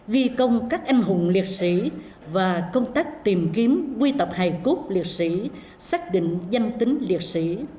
ghi công các anh hùng liệt sĩ và công tác tìm kiếm quy tập hài cốt liệt sĩ xác định danh tính liệt sĩ